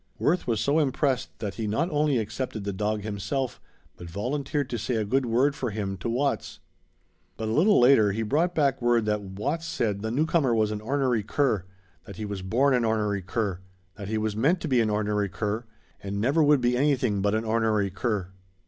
Worth was so impressed that he not only accepted the dog himself but volunteered to say a good word for him to Watts. But a little later he brought back word that Watts said the newcomer was an ornery cur that he was born an ornery cur that he was meant to be an ornery cur, and never would be anything but an ornery cur.